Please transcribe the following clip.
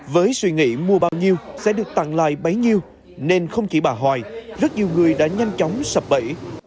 với suy nghĩ mua bao nhiêu sẽ được tặng lại bấy nhiêu nên không chỉ bà hoài rất nhiều người đã nhanh chóng sập bẫy